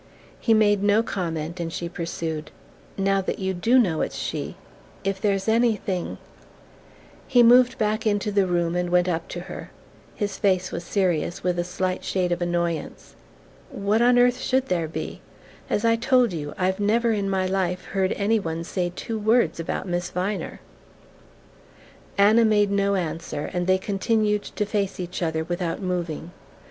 He made no comment, and she pursued: "Now that you DO know it's she, if there's anything " He moved back into the room and went up to her. His face was serious, with a slight shade of annoyance. "What on earth should there be? As I told you, I've never in my life heard any one say two words about Miss Viner." Anna made no answer and they continued to face each other without moving.